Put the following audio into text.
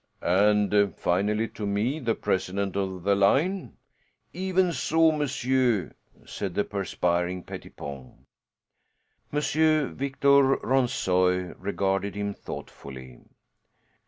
"And finally to me, the president of the line?" "Even so, monsieur," said the perspiring Pettipon. M. Victor Ronssoy regarded him thoughtfully.